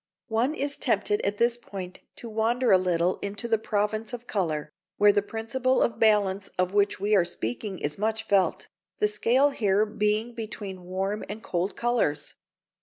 ] One is tempted at this point to wander a little into the province of colour, where the principle of balance of which we are speaking is much felt, the scale here being between warm and cold colours.